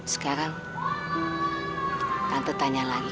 sekarang tante tanya lagi